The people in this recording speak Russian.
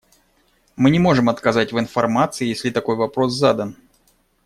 Мы не можем отказать в информации, если такой вопрос задан.